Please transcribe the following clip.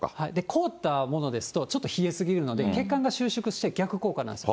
凍ったものですと、ちょっと冷えすぎるので、血管が収縮して逆効果なんです。